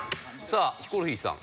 さあヒコロヒーさん。